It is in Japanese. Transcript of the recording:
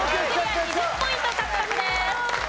２０ポイント獲得です。